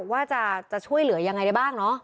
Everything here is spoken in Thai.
ว่าจะช่วยเหลือยังไงได้บ้างเนอะ